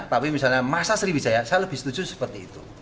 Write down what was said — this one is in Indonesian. tapi misalnya masa sriwijaya saya lebih setuju seperti itu